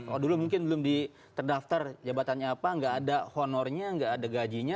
kalau dulu mungkin belum terdaftar jabatannya apa nggak ada honornya nggak ada gajinya